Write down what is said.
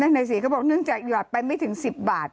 นั่นไงสิเขาบอกเนื่องจากหยอดไปไม่ถึง๑๐บาท